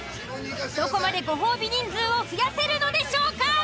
どこまでご褒美人数を増やせるのでしょうか。